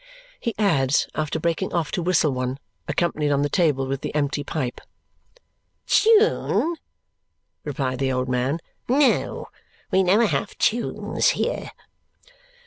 he adds after breaking off to whistle one, accompanied on the table with the empty pipe. "Tune!" replied the old man. "No. We never have tunes here."